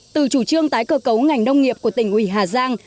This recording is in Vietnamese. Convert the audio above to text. từ chủ trương tái cơ cấu ngành nông nghiệp của tỉnh ủy hà giang